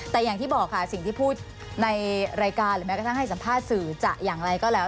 แต่อย่างที่บอกค่ะสิ่งที่พูดในรายการหรือแม้กระทั่งให้สัมภาษณ์สื่อจะอย่างไรก็แล้ว